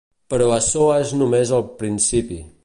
Però açò és només el principi.